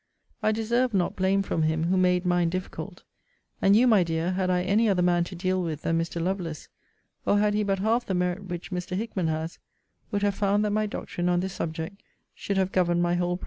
I deserved not blame from him, who made mine difficult. And you, my dear, had I any other man to deal with than Mr. Lovelace, or had he but half the merit which Mr. Hickman has, would have found, that my doctrine on this subject, should have governed my whole practice.'